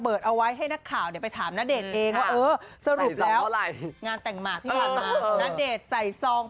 ๑๐บาทแอบน่าเกลียดไปนิดนึง